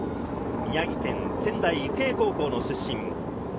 宮城県仙台育英高校の出身。